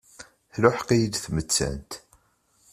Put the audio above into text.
Tluḥeq-iyi-d tmettant.